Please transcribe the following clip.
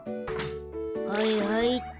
はいはいっと。